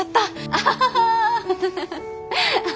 アハハハ。